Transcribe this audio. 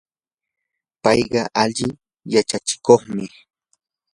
payqa ali yachachikuqmi.